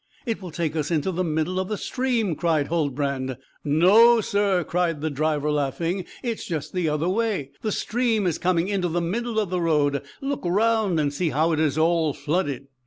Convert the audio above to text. It will take us into the middle of the stream," cried Huldbrand. "No, sir," cried the driver laughing; "it is just the other way. The stream is coming into the middle of the road. Look round, and see how it is all flooded."